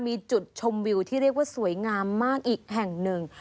มีจุดชมวิวที่เรียกว่าสวยงามมากอีกแห่งหนึ่ง